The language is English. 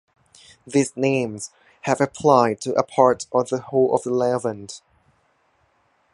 These names have applied to a part or the whole of the Levant.